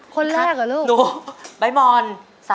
ใครคะ